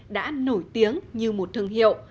đã nổi tiếng như một thương hiệu